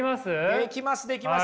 できますできます。